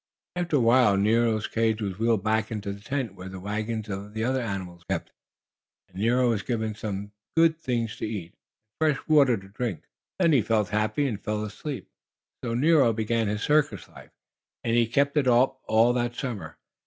After a while Nero's cage was wheeled back into the tent where the wagons of the other animals were kept, and Nero was given something good to eat, and fresh water to drink. Then he felt happy and fell asleep. So Nero began his circus life, and he kept it up all that summer.